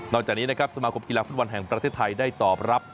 จากนี้นะครับสมาคมกีฬาฟุตบอลแห่งประเทศไทยได้ตอบรับ